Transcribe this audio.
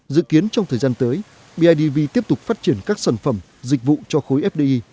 dự kiến trong thời gian tới bidv tiếp tục phát triển các sản phẩm dịch vụ cho khối fdi